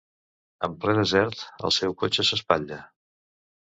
En ple desert, el seu cotxe s'espatlla.